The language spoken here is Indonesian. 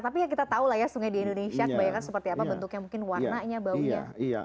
tapi ya kita tahu lah ya sungai di indonesia kebanyakan seperti apa bentuknya mungkin warnanya baunya